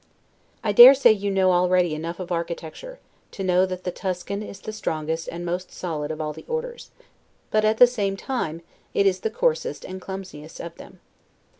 I dare say you know already enough of architecture, to know that the Tuscan is the strongest and most solid of all the orders; but at the same time, it is the coarsest and clumsiest of them.